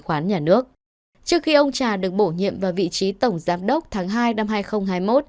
trước khi ông trà được bổ nhiệm vào vị trí tổng giám đốc tháng hai năm hai nghìn hai mươi một